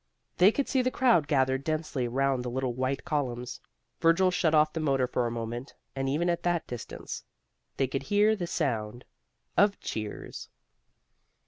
They could see the crowd gathered densely round the little white columns. Virgil shut off the motor for a moment, and even at that distance they could hear the sound of cheers.